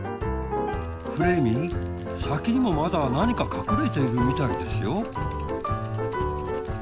フレーミーさきにもまだなにかかくれているみたいですよ。